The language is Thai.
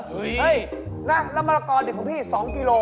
เฮ้ยนะแล้วมะละกอดิบของพี่๒กิโล